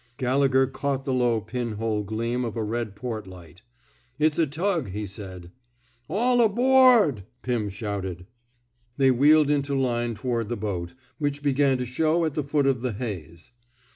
Gallegher caught the low pin hole gleam of a red port light. It^s a tug/^ he said. *^ All abo o ordi y Pirn shouted. They wheeled into line toward the boat, which began to show at the foot of the haze.